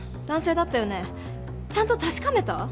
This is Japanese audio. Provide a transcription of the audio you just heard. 男性だったよねちゃんと確かめた？